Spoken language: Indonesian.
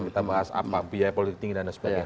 kita bahas apa biaya politik tinggi dan lain sebagainya